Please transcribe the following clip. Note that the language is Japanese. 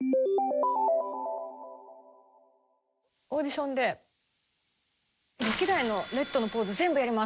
オーディションで歴代のレッドのポーズ全部やります！